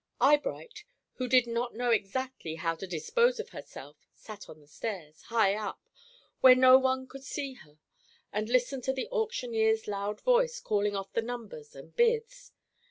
Eyebright, who did not know exactly how to dispose of herself, sat on the stairs, high up, where no one could see her, and listened to the auctioneer's loud voice calling off the numbers and bids.